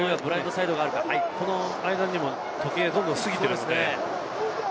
この間にも時計はどんどん過ぎている。